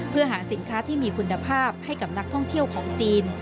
เพื่อหาสินค้าที่มีคุณภาพให้กับนักท่องเที่ยวของจีน